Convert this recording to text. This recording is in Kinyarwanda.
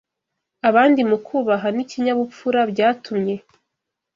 abandi mu kubaha n’ikinyabupfura byatumye